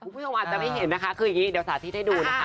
คุณผู้ชมอาจจะไม่เห็นนะคะคืออย่างนี้เดี๋ยวสาธิตให้ดูนะคะ